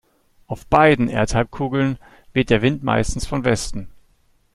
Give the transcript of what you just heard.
Auf beiden Erdhalbkugeln weht der Wind meistens von Westen.